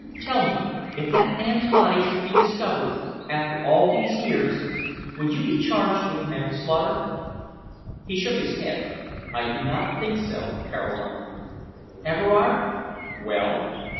Tell me, if that man's body should be discovered after all these years, would you be charged with manslaughter?" He shook his head. "I do not think so, Caroline." "Everard." "Well?"